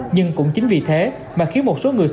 nhưng cũng chính vì thế mà khiến một số người bệnh bị bệnh